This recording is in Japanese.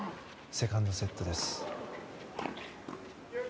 セカンドセットです。